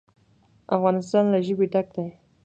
افغانستان له ژبې ډک دی.